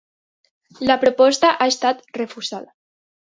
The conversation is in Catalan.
La proposta ha estat refusada.